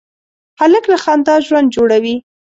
هلک له خندا ژوند جوړوي.